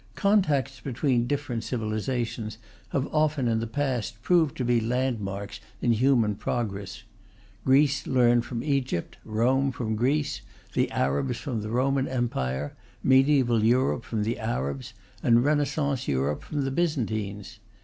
Contacts between different civilizations have often in the past proved to be landmarks in human progress. Greece learnt from Egypt, Rome from Greece, the Arabs from the Roman Empire, mediæval Europe from the Arabs, and Renaissance Europe from the Byzantines.